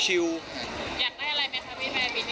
อยากได้อะไรไหมครับพี่แม่พี่นี่